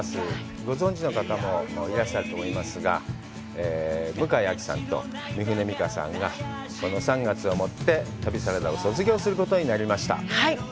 ご存じの方もいらっしゃると思いますが向井亜紀さんと三船美佳さんがこの３月をもって旅サラダを卒業することになりました。